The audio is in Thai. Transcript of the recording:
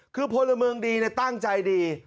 คือพลเมืองดีตั้งใจดี